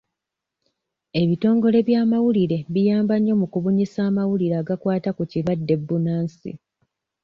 Ebitongole by'amawulire biyamba nnyo mu kubunyisa amawulire agakwata ku kirwadde bbunansi.